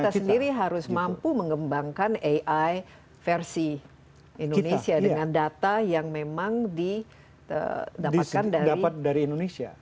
kita sendiri harus mampu mengembangkan ai versi indonesia dengan data yang memang didapatkan dari indonesia